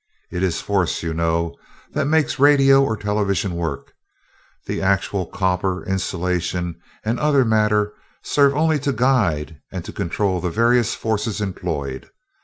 It is force, you know, that makes radio or television work the actual copper, insulation, and other matter serve only to guide and to control the various forces employed.